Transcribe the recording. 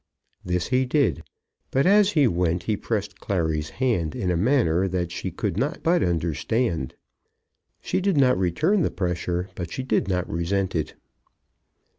This he did; but as he went he pressed Clary's hand in a manner that she could but understand. She did not return the pressure, but she did not resent it.